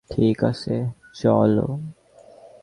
ঠিক আছে, চল।